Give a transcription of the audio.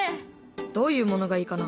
どういうものがいいかな？